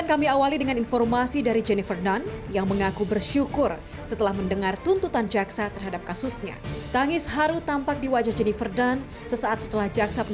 pembelaan selanjutnya adalah pembelaan dari kuasa hukum jennifer dunn